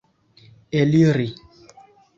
eliri